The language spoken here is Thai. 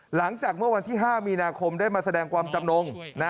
หลังจากเมื่อวันที่๕มีนาคมได้มาแสดงความจำนง